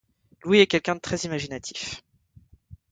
Louis est quelqu'un de très imaginatif.